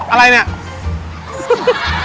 อะไรเนี่ย